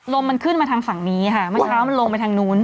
มันขึ้นมาทางฝั่งนี้ค่ะเมื่อเช้ามันลงไปทางนู้น